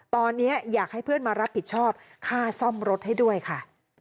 ตอนนี้อยากให้เพื่อนมารับผิดชอบค่าซ่อมรถให้ด้วยค่ะ